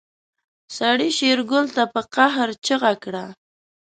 سړي شېرګل ته په قهر چيغه کړه.